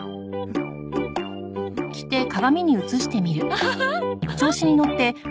アハハ！